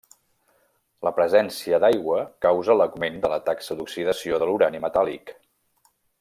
La presència d'aigua causa l'augment de la taxa d'oxidació de l'urani metàl·lic.